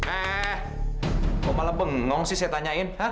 ah kok malah bengong sih saya tanyain